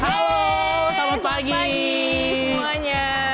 halo selamat pagi semuanya